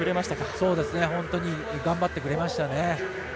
そうですね、本当に頑張ってくれましたね。